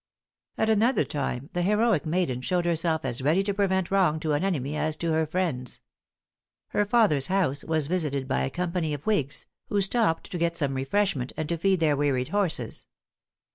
At another time the heroic maiden showed herself as ready to prevent wrong to an enemy as to her friends. Her father's house was visited by a company of whigs, who stopped to get some refreshment, and to feed their wearied horses.